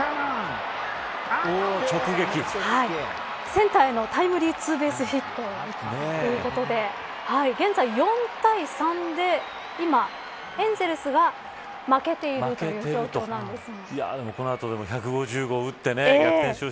センターへのタイムリーツーベースヒットということで現在、４対３で今、エンゼルスが負けているという状況なんです。